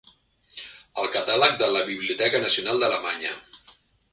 Al catàleg de la Biblioteca Nacional d'Alemanya.